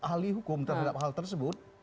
ahli hukum terhadap hal tersebut